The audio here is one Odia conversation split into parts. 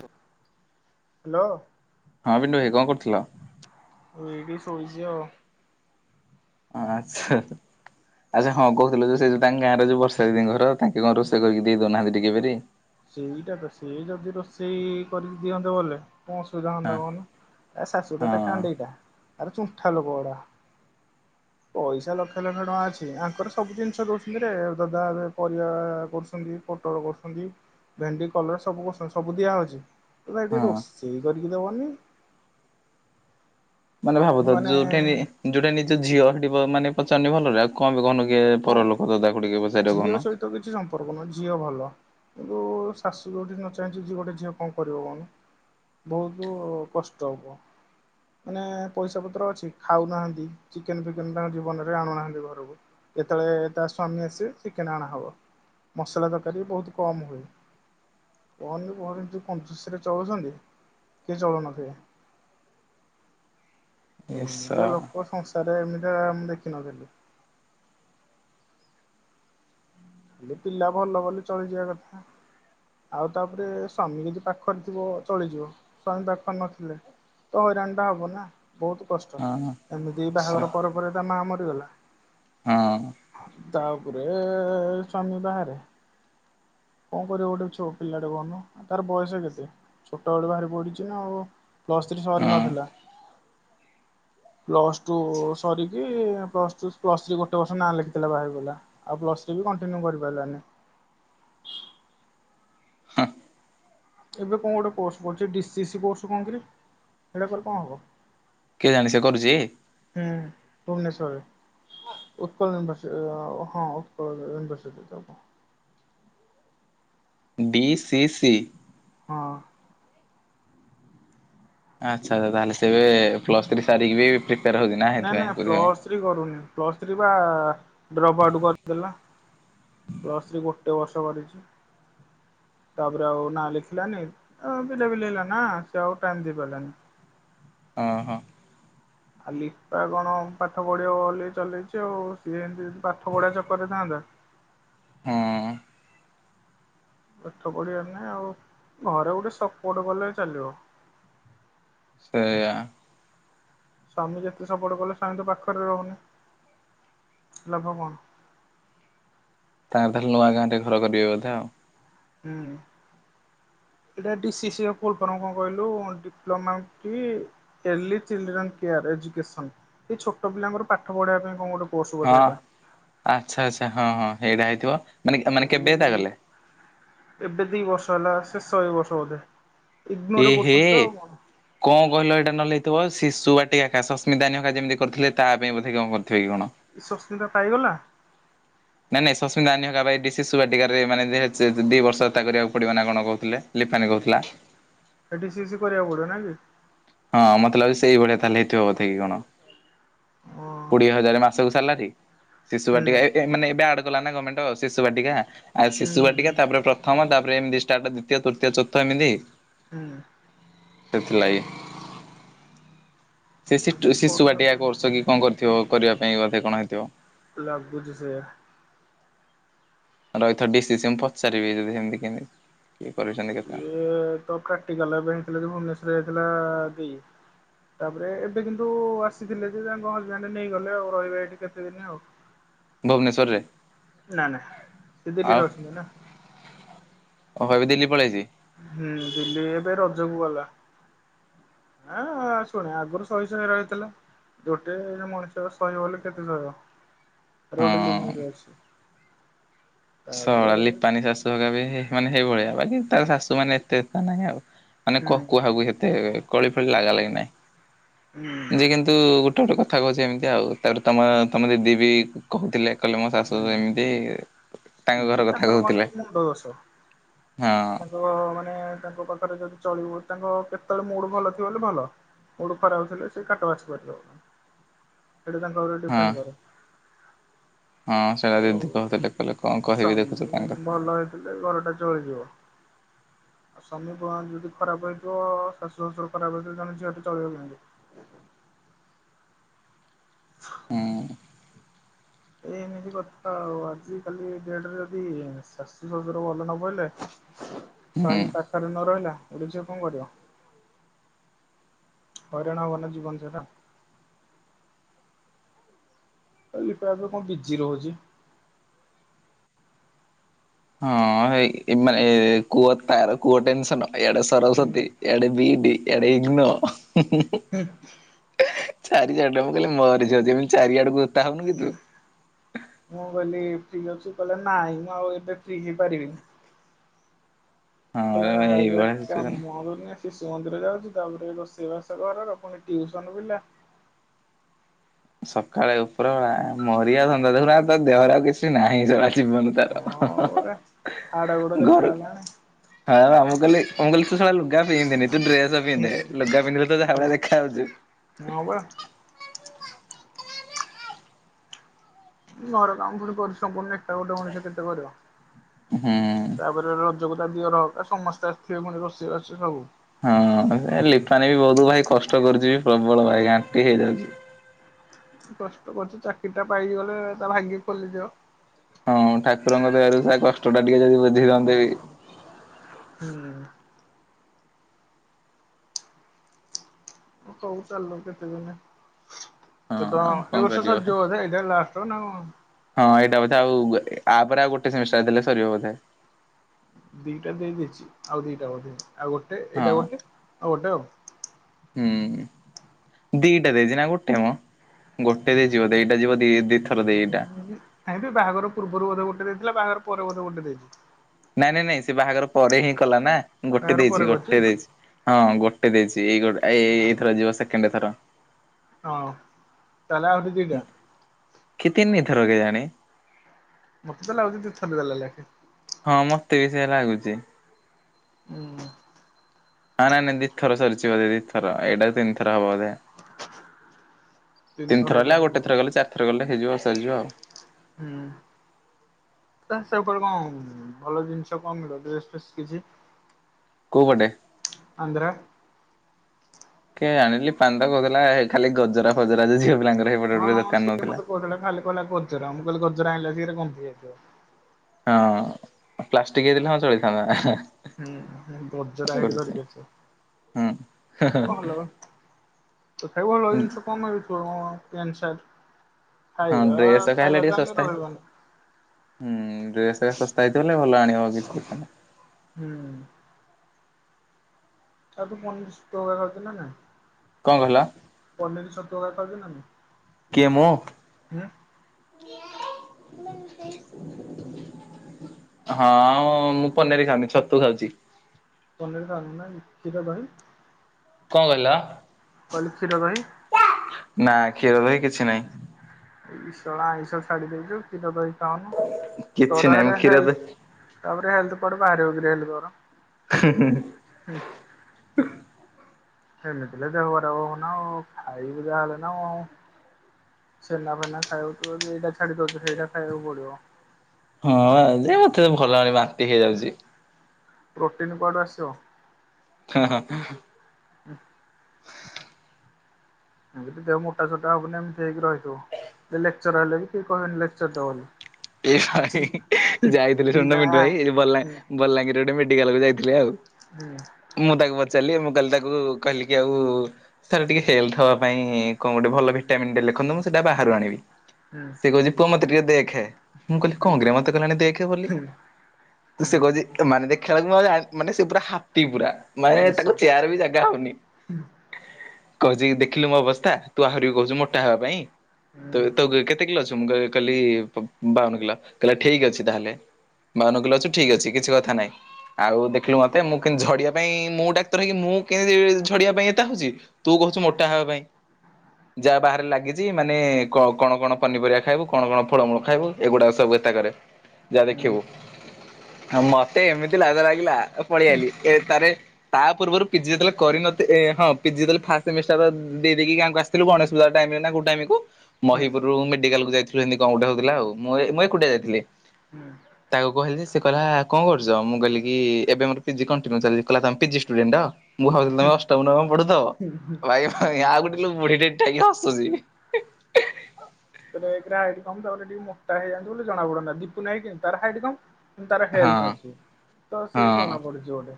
ହ୍ୟାଲୋ! ହଁ, ପିଣ୍ଟୁ ଭାଇ କଣ କରୁଥିଲ? ଆଉ ଏଇଟି ସୋଇଛି ଆଉ ଆଚ୍ଛା! ଆଚ୍ଛା! ହ କହୁଥିଲ ଯେ ସେ ଯଉ ତାଙ୍କ ଗାଁରେ ଯୋଉ ବର୍ଷା ଦିଦିଙ୍କ ଘର ତାଙ୍କେ କଣ ରୋଷେଇ କରିକି ଦେଇ ଦଉନାହାନ୍ତି ଟିକେ କରି। ସେଇଟା ତ ସେ ଯଦି ରୋଷେଇ କରିକି ଦିଅନ୍ତେ ଭଲେର କଣ ଅସୁବିଧା ହଁ ହୁଅନ୍ତା କହୁନୁ ତା ଶାଶୁ ଟା ହଁ ତ କାଣ୍ଡେଇଟା ଭାରି ଶୁଣ୍ଠା ଲୋକଗୁଡା। [inaudible] ପଇସା ଲକ୍ଷ ଲକ୍ଷ ଟଙ୍କା ଅଛି। ଆଙ୍କର ସବୁ ଜିନିଷ ଦଉଛନ୍ତି ଯେ ଦାଦା ଏବେ ପରିବା କରୁଛନ୍ତି। ପୋଟଳ କରୁଛନ୍ତି। ଭେଣ୍ଡି କଲରା ସବୁ ପସନ୍ଦ ସବୁ ଦିଆହଉଛି। ତମେ ହଁ। ଏଠି ରୋଷେଇ କରିକି ଦବନି। ମାନେ ଭାବୁଥା ଯୋଉଠା ଯୋଉଟା ନିଜ ଝିଅ ହେବ ମାନେ ପଚାରୁନି ଭଲରେ ଆଉ [unintelligible] କିଏ ପରଲୋକ ତଦାକୁ ଟିକେ ପସାର କହୁନ ତୁ କିଛି ନବ କରୁନୁଁ ଝିଅ ଭଲ। କିନ୍ତୁ ଶାଶୁ ଯୋଉଠି ନ ଚାହିଁଛି ଯେ ଗୋଟେ ଝିଅ କଣ କରିବ କହୁନୁ। ବହୁତ କଷ୍ଟ ହେବ। ମାନେ ପଇସା ପତ୍ର ଅଛି। ଖାଉନାହାନ୍ତି ଚିକେନ ଫିକେନ ତାଙ୍କ ଜୀବନରେ ଆଣୁନାହାନ୍ତି ଘରକୁ। ଯେତେବେଳେ ତା ସ୍ଵାମୀ ଆସିବେ, ଚିକେନ ଅଣାହେବ। ମସଲା ତରକାରୀ ବହୁତ କମ ହୁଏ। କୁହନି କୁହନି ଯୋଉ କଂଜୂସୁରେ ଚଳୁଛନ୍ତି। କିଏ ଚଳୁନଥିବେ। ଏ ଶା ଏମିତିଆ ଲୋକ ସଂସାରରେ ଏମିତିଆ ମୁଁ ଦେଖିନଥିଲି। ହେଲେ ପିଲା ଭଲ ବୋଲି ଚଳିଯିବା କଥା। ଆଉ ତାପରେ ସ୍ଵାମୀ ଯଦି ପାଖରେ ଥିବ ଚଳିଯିବ। ସ୍ୱାମୀ ପାଖରେ ନଥିଲେ ତ ହଇରାଣ ଟା ହବ ନା। ବହୁତ କଷ୍ଟ ହଁ ଏମିତି ଶା ବାହାଘର ପରେ ପରେ ତା ମା ମରିଗଲା। ହଁ ତାପରେ ସ୍ୱାମୀ ବାହାରେ। କଣ କରିବ ଗୋଟେ ଛୁଅ ପିଲାଟେ କହୁନ ତାର ବୟସ କେତେ? ଛୋଟ ବେଳୁ ବାହାରେ ପଢ଼ିଛି ନା ଆଉ ପ୍ଲସ ଥ୍ରୀ ସରି ହଁ ନଥିଲା। ପ୍ଲସ ଟୁ ସରିକି ପ୍ଲସ ଟୁ ପ୍ଲସ ଥ୍ରୀ ଗୋଟେ ବର୍ଷ ନାଁ ଲେଖିଥିଲା ବାହା ହେଇଗଲା। ଆଉ ପ୍ଲସ ଥ୍ରୀ ବି କଣ୍ଟିନ୍ୟୁ କରିପାରିଲାନି। ହଁ ଏବେ କଣ ଗୋଟେ କୋର୍ସ କରଚି ଡି ସି ସି କୋର୍ସ କଣ କିରେ। ସେଇଡ଼ାକଲେ କଣ ହେବ? କେଜାଣି ସେ କରୁଚି? ହୁଁ ଭୂବନେଶ୍ୱରରେ। ଉତ୍କଳ ଇନଭରସିଟି ହଁ ଉତ୍କଳ ଇନଭରସିଟି ତ ଆଉ କଣ। B C C. ହଁ ଆଚ୍ଛା! ତାହେଲେ ସେ ଏବେ ପ୍ଲସ୍ ଥ୍ରୀ ସାରିକି ବି ପ୍ରିପାଏୟର ହଉଛନ୍ତି। ନା ନା ପ୍ଲସ ଥ୍ରୀ କରୁନି ପ୍ଲସ୍ ଥ୍ରୀ ବା ଡ୍ରପ୍ ଆଉଟ୍ କରିଦେଲା। ପ୍ଲସ ଥ୍ରୀ ଗୋଟେ ବର୍ଷ ବଢିଚି। ତାପରେ ଆଉ ନାଁ ଲେଖିଲାନେଇଁ ଆଁ ପିଲା ପିଲି ହେଲା ନା ସେ ଆଉ ଟାଇମ୍ ଦେଇ ପାଇଲାନି। ହଁ ହଁ। ଆ ଲିପା କଣ ପାଠ ପଢ଼ିବ ବଲି ଚଲେଇଚି ଆଉ ସିଏ ଏମତି ଯଦି ପାଠ ପଢ଼ିବା ଚକରରେ ଥାଆନ୍ତା ହୁଁ। ପାଠ ପଢ଼ିବାର ନାଇଁ ଆଉ ଘରେ ଗୋଟେ ସପୋର୍ଟ କଲେ ଚାଲିବ। ସେଇଆ। ସ୍ୱାମୀ ଯେତେ ସପୋର୍ଟ କଲେ ସ୍ୱାମୀ ତ ପାଖରେ ରହୁନି ଲାଭ କଣ? ତାଙ୍କର ତାହାଲେ ନୂଆ ଗାଁ ରେ ଘର କରିବେ ବୋଧେ ଆଉ? ହୁଁ ହୁଁ। ଏଇଟା ଡି ସିି ସିି ର ଫୁଲ୍ଲଫର୍ମ କଣ କହିଲୁ ଡିପ୍ଲମା କି? ଏଲି ଚିଲଡ୍ରେନ୍ କେୟାର ଏଜୁକେସନ ଏଇ ଛୋଟ ପିଲାଙ୍କର ପାଠ ପଢ଼ିବା ପାଇଁ କଣ ଗୋଟେ କୋର୍ସ ହଁ ବୋଧେ ଏଇଟା। ଆଚ୍ଛା ଆଚ୍ଛା ହଁ ହଁ ହେଇଟା ହେଇଥିବ। ମାନେ ମାନେ କେବେ ଏଟା ଏଇ କଲେ ଏବେ ଦି ବର୍ଷ ହେଲା ଶେଷ ଏ ବର୍ଷ ବୋଧେ। ଇଗ୍ନୋର ଏହେ କରୁଛନ୍ତି ତ ଆଉ କଣ। କଣ କହିଲ ଏଇଟା ନହେଲେ ହେଇଥିବ ଶିଶୁ ବାଟୀକା କା ସସ୍ମିତା ନାନୀ ହରିକା ଯେମତି କରିଥିଲେ ତା ପାଇଁ ବୋଧ କଣ କରିଥିବେ କି କଣ? ଏ ଶସ୍ମିତା ପାଇଗଲା? ନାଇଁ ନାଇଁ ଶସ୍ମିତା ନାନୀ ହକା ପା ଏଇଠି ଡି ଶିଶୁ ବାଟିକାରେ ମାନେ ଯେହତୁ ସିଏ ଦି ବର୍ଷ ହେତା କରିବାକୁ ପଡ଼ିବ ନା କଣ କହୁଥିଲେ। ଲିପି ନାନି କହୁଥିଲା ଥାଟି ସିକସି କରିବାକୁ ପଡ଼ି ବ ନା କି? ହଁ ମତେ ଲାଗୁଚି ସେଇଭଳିଆ ତାହେଲେ ହେଇଥିବବୋଧେ କି କଣ ଓ କୋଡ଼ିଏ ହଜାରେ ମା ସବୁ ସାଲା ଠିକ୍‍ ଶିଶୁ ହୁଁ ବାଟିକା ଏ ଏ ମାନେ ଏବେ ଆଡ଼ କଲା ନା ଗମେଣ୍ଟ ଶିଶୁ ବାଟିକା। ଆଉ ହୁଁ ଶିଶୁ ହୁଁ ବାଟିକା ତାପରେ ପ୍ରଥମ ତାପରେ ଏମିତି ଷ୍ଟାର୍ଟ ଦ୍ଵିତୀୟ ତୃତୀୟ ଚତୁର୍ଥ ଏମିତି? ହୁଁ। ସେଥିଲାଗି ସେ ଶିଟୁ ଶିଶୁ କରୁଛନ୍ତି ବାଟିକା ଆଉ। କରୁଚ କି କଣ କରିଥିବ କରିବା ପାଇଁ ବୋଧେ କଣ ହେଇଥିବ। ଲାଗୁଚି ସେୟା। ରଇଥ ଡି ସି ସି ମୁଁ ପଚାରିବି ଯଦି ହେମତି କମତି କି କରିଚନ୍ତି ଇଏ ତ ପ୍ରାକ୍ଟିକାଲ ପାଇଁ ହେଇଥିଲା ଯେ ଭୁବନେଶ୍ୱର ଯାଇଥିଲା ଦେଇ। ତାପରେ ଏବେ କିନ୍ତୁ ଆସିଥିଲେ ଯେ ତାଙ୍କ ହଜବ୍ୟାଣ୍ଡ ନେଇଗଲେ ଆଉ ରହିବେ ହେଠି କେତେଦିନି ଆଉ। ଭୁବନେଶ୍ୱରରେ। ନାଁ ନାଁ ସେ ଦିଲ୍ଲୀରେ ଅଛନ୍ତି ନା। କଣ କହିବି ଦିଲ୍ଲୀ ପଳେଇଚି? ହୁଁ ଦିଲ୍ଲୀ ଏବେ ରଜକୁ ଗଲା। ଆଁ ଆଁ ଶୁଣେ ଆଗରୁ ଶହି ଶହି କା ରହିଥିଲା। ଗୋଟେ ମଣିଷ ସହିବ ବୋଲେ କେତେ ସହିବ? ତାର ଗୋଟେ ହଁ। ଲିମିଟି ଅଛି। ତାପରେ ଶଳା ହୁଁ ଲିପାନୀ ଶାଶୁ ଘକାବି ବି ହେ ମାନେ ହେଇଭଳିଆ ବାକି ତାର ଶାଶୁ ମାନେ ଏତେ ଏତା ନାହିଁ ଆଉ। ମାନେ କ କୁହାକୁହି ହେତେ ହେବେ କଳି ଫଳି ଲାଗା ଲାଗି ନାହିଁ ଯେ ହୁଁ କିନ୍ତ ତୁ ଗୋଟେ ଗୋଟେ କଥା କହୁଚି ଏମିତି ଆଉ ତାପରେ ତମ ତମ ଦିଦି ବି କହୁଥିଲେ କହିଲେ ମୋ ଶାଶୁ ଏମିତି ତାଙ୍କ ଘର କିଏ କଥା ତାଙ୍କର କଣ କହୁଥିଲେ ତାକୁ ମୁଣ୍ଡଦୋଷ ହଁ ତ ମାନେ ତାଙ୍କ ପାଖରେ ଯଦି ଚଳିବୁ ତାଙ୍କ କେତବଳେ ମୁଡ଼ ଭଲ ଥିବ ବୋଲି ଭଲ। ମୁଡ଼ ଖରାପ ହଉଥିଲେ ସେ କାଟ ବାଛି ପରିବ ସେଠି ହେଟା ତାଙ୍କ ଉପରେ ହଁ। ଫିଫେଣ୍ଡ କର। ହଁ ସେଇଆ ଦିଦି କହୁଥିଲେ କଣ କହିବି ଦେଖୁଚ ତାଙ୍କ କଥା। ହେଲେ, ଘରଟା ଜଳିଯିବ ଆଉ ସ୍ୱାମୀ କଣ ଯେମିତି ଖରାପ ହେଇଥିବ, ଶାଶୁ ଶ୍ୱଶୁର ଖରାପ ହେଇଥିବ ଜଣେ ଝିଅ ଟି ଚଳିବ କେମିତି? [unintelligible] [inaudible] ହୁଁ ଏଇ ଏମିତି କଥା ଆଉ ଆଜି କାଲି ଡେଟରେ ଯଦି ଶାଶୁ ଶଶୁର ଭଲ ନ ପଇଲେ [inaudible] ହୁଁ। ସ୍ୱାମୀ ପାଖରେ ନ ରହିଲା, ଗୋଟେ ଝିଅ କଣ କରିବ? ହଇରାଣ ହବ ନା ଜୀବନ ସାରା [unintelligible] କଣ ବିଜି ରହୁଛି। ହଁ, ହେଇ ମାନେ କୁଅ ତାର କୁଅ ଟେନସନ ଏଇଆଡେ ହୁଁ ସରସ୍ଵତୀ ଏଆଡେ ବିଇଡି, ଏଆଡ଼େ ଇଗ୍ନ ହୁଁ ହୁଁ- ଇ, ଚାରି ଆଡ଼, ମୁଁ କହିଲ ମରିଯିବ ଯେମିତି ଚାରିଆଡକୁ ଓତା ହଉନୁ କି ତୁ। ହୁଁ- [inaudible] ମୁଁ କହିଲି ଫ୍ରି ଅଛି, କହିଲେ ନାଇଁ ମୁଁ ଆଉ ଏବେ ଫ୍ରି ହେଇପାରିବିନି ହଁ ଏଇଭଳିଆ [unintelligible] ଶିଶୁ ସିଚୁଏସନ। ମନ୍ଦିର ଯାଉଚି, ତାପରେ ରୋଷେଇବାସ ଘରର, ପୁଣି ଟିଉସନ ପିଲା। ସକାଳେ ଉପର ବେଳା, ମରିବା [unintelligible] ତ ଦେହର ଆଉ କିଛି ନାହିଁ ଜ ଜିବନୀ ତାର ହଁ ହଁ-ହଁ-ହଁ ପରା ହାଡ, ଗୁଡ -ଦେଖା ଗଲାଣି। ହଁ, ମୁଁ କଇଲି, ମୁଁ କିଲି ତୁ ଶଳା ଲୁଗା ପିନ୍ଧିନି, ତୁ ଡ୍ରେସ ପିନ୍ଧେ, ଲୁାଗା ପିନ୍ଧିଲେ ତ ଯାହା ଭଳିଆ ଦେଖା ଯାଉଚୁ ହଁ ବା। ଘର କାମ ପୁଣି, ପରିଶ୍ରମ ପଡୁନି, ଏକା ଗୋଟେ ମଣିଷ କେତେ କରିବ। ହୁଁ ତାପରେ ରଜକୁ, ତା ଦିଅରହକା ସମସ୍ତେ ଆସିଥିବେ ପୁଣି ରଷେଇବାସ ସବୁ ହଁ ଲିଫାନୀ ବି ବହୁତ ଭାଇ କଷ୍ଟ କରୁଚି, ପ୍ରବଳ ଭାଇ ଘାଣ୍ଟି ହେଇଯାଉଚି କଷ୍ଟ କରୁଚି, ଚାକିରି ଟା ପାଇଗଲେ, ତା ଭାଗ୍ୟ ଖୋଲିଯିବ ହଁ ଠାକୁରଙ୍କ ଦୟାରୁ ସେ କଷ୍ଟ ଟା ଟିକେ ଯଦି ବୁଝି ଦଅନ୍ତି ବି [inaudible] ହୁଁ ହଉ, ଚାଲୁ କେତେ ଦିନ [inaudible] ଏ ହଁ ତ, ଆଉ କଣ ଏ ବର୍ଷ କରିବ ଭାଇ। ଚାଲିଚି ବୋଧେ, ଏଇଟା ଲାଷ୍ଟ ନଁ ହଁ, ଏଇଟା ବୋଧେ ଆଉ, ଆପରେ ଆଉ ଗୋଟେ ସେମିଷ୍ଟଟାର ଦେଲେ ସରିବ ବୋଧେ ଦିଟା ଦେଇଦେଇଚି, ଆଉ ଦିଟା ବଧେ, ଆଉ ଗୋଟେ, ହଁ ଏଇଟା ଗୋଟେ, ଆଉ ଗୋଟେ ଆଉ ହୁଁ ଦିଟା ଦେଇଚି ନା, ଗୋଟେ ମ, ଗୋଟେ ଦେଇଚି ବୋଧେ ଏଇଟା ଯିବ ଦି ଦିଥର ଦିଇଟା। ହାଇଁବେ, ବାହାଘର ପୂର୍ବରୁ ବଧେ ଗୋଟେ ଦେଇଥିଲା, ବାହାଘର ପରେ ବୋଧେ ଗୋଟେ ଦେଇଚି। ନାଇଁ, ନାଇଁ, ନାଇଁ ସେ ବାହାଘର ପରେ ହିଁ କଲା ନାଁ, ଗୋଟେ ବାହାଘର ପରେ ଦେଇଚି କରିଛି ଗୋଟେ ଦେଇଚି। ହଁ ଗୋଟେ ଦେଇଚି, ଏଇଗଟ ଏଇ ଏଇଥର ଯିବ ସେକେଣ୍ଡ ଥର। ହଁ - [inaudible] ତାହେଲେ ଆହୁରି ଦିଟା। କି ତିନିଥର କେଜାଣି। ମତେ ତ ଲାଗୁଚି, ଦିଥର ଦେଲେ ଲଖେ। ହଁ ମତେ ବି ସେୟା ଲାଗୁଚି। ଉଁ--ହୁ ହଁ ନାଇଁ, ନାଇଁ ଦିଥର ସରିଛି ବୋଧେ, ଦିଥର ଏଟା ତିନି ଥର ହବ ବୋଧେ। ତିନି ଥର ତିନିଥର ହେଲେ, ଏଇଟା ଆଉ ହବ ଗୋଟେଥର ବୋଧେ ଗଲେ, ଚାର ଥର ଗଲେ ହେଇଯିବ ସରିଯିବ ଆଉ। ହୁଁ ତା ସେ ଉପରେ କଣ, ଭଲ ଜିନିଷ କଣ ମିଳିବ ଡ୍ରେସ୍ ଫେସ୍ କିଛି। କଉ ପଟେ। ଆନ୍ଦ୍ର। କେ ଆଣିଲି ପାନ୍ଦ କହୁଥିଲା ଖାଲି ଗଜରା ଫଜରା ଝିଅ ପିଲାଙ୍କର। ହେପଟେ ହଁ ଗୋଟେ ହଁ ଦୋକାନ ସିଏ ନଉଥିଲା। ମତେ କହୁଥିଲା ଖାଲି କହିଲା ଗଜରା ମୁଁ କହିଲି ଗଜରା ଆଣିଲ ସିଏଟ ଗନ୍ଧେଇ ଯାଇଥିବ। ହଁ ପ୍ଲାଷ୍ଟିକ ହେଇଥିଲେ ହଁ ଚଳିଥାନ୍ତା। ହୁଁ ଗଜରା ହେଟି କରୁଛି ଧରିକି ଆସିବ। ହୁଁ କଣ ହେଲା ଲୋ ତଥାବି ଭଲ ଜିନିଷ କଣ ନେବି ପ୍ୟାଣ୍ଟ ସାର୍ଟ। ହଁ ଖାଇବା ଡ୍ରେସ ଏକା ହେଲେ ଖାଇବା ଟିକେ ତ ଆଣିଲେ ଶସ୍ତା ରହିବନି। ହୁଁ ଡ୍ରେସେ ଶସ୍ତା ହେଇଥିଲେ ଭଲ ଆଣିବ। କିଛି କଥା ନାହିଁ। ହୁଁ। [unintelligible] କଣ କହିଲ? ପନୀର ଛତୁ ହେଲା ଖାଉଛ ନା ନାହିଁ? କିଏ ମୁଁ? ହଁ ଆଉ ମୁଁ ପନିରି ଖାଉନି ଛତୁ ଖାଉଛି। ପନିରି ଖାଉନୁ ନାକି କ୍ଷୀର ଦହି? କଣ କହିଲ? କହିଲି କ୍ଷୀର ଦହି? ନା କ୍ଷୀର ଦହି କିଛି ନାହିଁ। ସଳା ଆଇଁଷ ଛାଡି ଦେଇଛୁ କ୍ଷୀର ଦହି ଖାଉନୁ କିଛି ତୋର ନାହିଁ ମୁଁ ହେଲେ କ୍ଷୀର ହେଲ ଦହି ତାପରେ ହେଲଥ କୁଆଡେ଼ ବାହାରିବ କିରେ ହେଲେ ତୋର। ହଁ ହଁ। ହୁଁ। ଏମିତିଥିଲେ ଦେହଖରାବ ହେବ ନା ଖାଇବୁ ଯାହେଲେ ନା। ଛେନା ଫେନା ଖାଇବ ତୁ ଏଇଟା ଛାଡ଼ିଦଉଛୁ ସେଇଟା ଖାଇକୁ ପଡିବ। ହଁ ଯେ ମତେ ତ ଭଲ ଭ ବାନ୍ତି ହେଇଯାଉଛି। ପ୍ରୋଟିନ୍ କୁଆଡୁ ଆସିବ। ହଁ ହଁ। ହ। ଏମିତି ଦେହ ମୋଟା ସୋଟା ହେବନୀ ଏମିତି ହେଇକି ରହିଥିବ ଲେକ୍ଚର ହେଲେ ବି କେହି କହିବନି ଲେକ୍ଚର୍ ଟେ ବୋଲି। ଏଇ ଭାଇ ବୁଝିଲୁ। ଯାଇଥିଲି ଶୁଣୁନୁ ପିଲା ପିଣ୍ଟୁ ଭାଇ ଏଇ ବଲା ହୁଁ ବଲାଙ୍ଗୀର ଗୋଟେ ମେଡିକାଲ କୁ ଯାଇଥିଲି ଆଉ। ହୁଁ। ମୁଁ ତାକୁ ପଚାରିଲି ମୁଁ କହିଲି ତାକୁ କହିଲି କି ଆଉ। ସାର୍ ଟିକେ ହେଲଥ ହବା ପାଇଁ କଣ ଗୋଟେ ଭଲ ଭିଟାମିନଟେ ଲେଖନ୍ତୁ ମୁଁ ସେଇଟା ବାହାରୁ ଆଣିବି। ହୁଁ ସେ କହୁଛି ପୁଅ ମତେ ଟିକେ ଦେଖେ ମୁଁ କହିଲି କଣ ହୁଁ କିରେ ମତେ କହିଲାଣି ଦେଖେ ବୋଲି ହୁଁ ତୁ ହୁଁ ସେ କହୁଛି ମାନେ ଦେଖିବା ବେଳକୁ ମାନେ ସେ ପୁରା ହାତୀ ପୁରା। ମାନେ ତାଙ୍କ ନିଶା ଚେୟାର ବି ଜାଗା ହଉନି। କହୁଛି ଦେଖିଲୁ ମୋ ଅବସ୍ଥା ତୁ ଆହୁରି ବି କହୁଛୁ ମୋଟା ହେବା ପାଇଁ। ହୁଁ ତୁ ତ କେତେ କିଲୋ ଅଛୁ ମୁ କଲି ବାଉନ କିଲ। କହିଲା ଠିକ ଅଛି ତାହେଲେ ବାଉନୁକିଲ ଅଛୁ ଠିକ ଅଛି କିଛି କଥା ନାଇଁ। ଆଉ ଦେଖିଲୁ ମତେ ମୁଁ କେମତି ଝଡିବା ପାଇଁ ମୁଁ ଡାକ୍ତର ହେଇକି ମୁଁ କେମିତି ଝଡିବା ପାଇଁ ଏତା ହଉଛି। ତୁ କହୁଛୁ ମୋଟା ହେବା ପାଇଁ ଯାହା ବାହାରେ ଲାଗି ମାନେ କଣ କଣ ପନିପରିବା ଖାଇବୁ କଣ କଣ ଫଳମୂଳ ଖାଇବୁ ଏଗୁଡାକ ସବୁ ଏତା କରେ। ଯା ହୁଁ ଦେଖିବୁ ମତେ ଏମିତି ଲାଜ ଲାଗିଲା ପଳେଇଆଲି ଏ ତାରେ ତା ପୂର୍ବରୁ ପିଜି ଯେତେବେଳେ କରିନ ଏ ହଁ ପିଜି ଯେତେବେଳେ ଫାଷ୍ଟ ସେମିଷ୍ଟାର ଦେଇଦେଇକି ଗାଁକୁ ଆସି ଥିଲୁ ଗଣେଶ ପୂଜା ଟାଇମରେ ନା କଉ ଟାଇମକୁ। ହୁଁ ମହିପୁରରୁ ମେଡିକାଲକୁ ଯାଇଥିଲୁ ଏମତି କଣ ଗୋଟେ ହଉଥିଲା ଆଉ ମୁଁ ମୁଁ ଏକୁଟିଆ ଯାଇଥିଲି। ହୁଁ ତାକୁ କହିଲି ଜେ ସେ କହିଲା କଣ କରୁଛ ମୁଁ କହିଲିକି ଏବେ ମୋର ପିଜି କଣ୍ଟିନ୍ୟୁ ଚାଲିଚି କଇଲା ତମେ ପିଜି ସ୍ଟୁଡେଣ୍ଟ? ମୁଁ ଭାବୁଥିଲି ତମେ ଅଷ୍ଟମ ନବମ ପଢୁଥବ ଭାଇ ଆଉ ଗୋଟେ ବୁଢୀଟେ ଥାଇକି ହସୁଛି। କହିଲି ଏକେରେ ହାଇଟ କମ ତାପରେ ଟିକେ ମୋଟା ହେଇଯାନ୍ତୁ ବୋଲି ଜଣା ପଡନ୍ତା ଦୀପୁନାହାଇ କେନ୍ତି ତାର ହାଇଟ୍ କମ୍। ତାର ହଁ ହେଲ୍ଥ ଅଛି ତ ସି ହଁ। ଜଣା ପଡୁଛି ଗୋଟେ।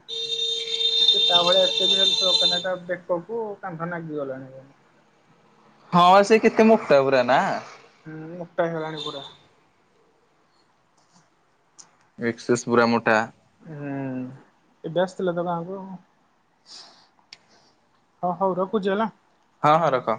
ଜେ ତା ଭଳିଆ ଏତେ ବି ହେଲଥ ଦରକାର ନାହିଁ ତା ବେକକୁ କାନ୍ଧ ନାଗି ଗଲାଣି। ହଁ ସେ କେତେ ମୁଟା ପୁରା ନାଁ? ହୁଁ ମୁଟା ହେଇଗଲାଣି ପୁରା। ଏକ୍ସେସ୍ ପୁରା ମୋଟା। ଏଁ ଏବେ ଆସିଥିଲା ତ ଗାଁକୁ ଆଉ। ହଁ ହଉ ରଖୁଛି ହେଲା। ହଁ ହଁ ରଖ।